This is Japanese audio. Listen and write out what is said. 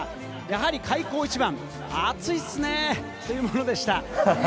開口一番、暑いっすねというものでした。